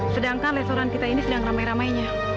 sedangkan restoran kita ini sedang ramai ramainya